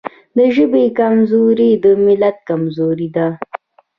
د ژبې کمزوري د ملت کمزوري ده.